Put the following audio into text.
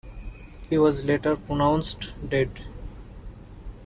He was later pronounced dead.